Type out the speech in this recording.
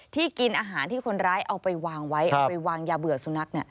กินอาหารที่คนร้ายเอาไปวางไว้เอาไปวางยาเบื่อสุนัข